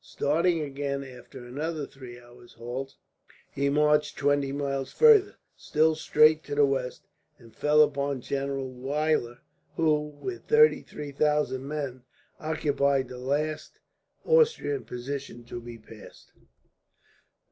Starting again after another three hours' halt he marched twenty miles farther, still straight to the west, and fell upon General Weyler who, with thirty three thousand men, occupied the last Austrian position to be passed.